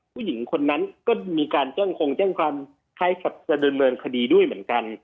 ผู้หญิงคนนั้นก็มีการเจ้งคงเจ้งความใช้ความเจริญเมินคดีด้วยเหมือนกัน